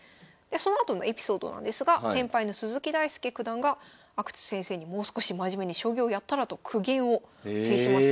そのあとのエピソードなんですが先輩の鈴木大介九段が阿久津先生にもう少し真面目に将棋をやったらと苦言を呈しました。